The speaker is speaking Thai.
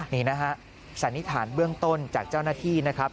นี่นะฮะสันนิษฐานเบื้องต้นจากเจ้าหน้าที่นะครับ